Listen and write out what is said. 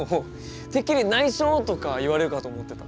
てっきり「ないしょ」とか言われるかと思ってた。